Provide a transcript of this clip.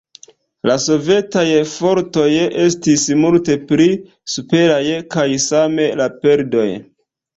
La sovetaj fortoj estis multe pli superaj, kaj same la perdoj.